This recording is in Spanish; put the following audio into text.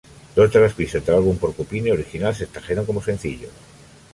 Dos de las pistas del álbum "Porcupine" original se extrajeron como sencillos.